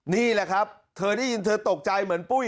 นี่แหละครับเธอได้ยินเธอตกใจเหมือนปุ้ย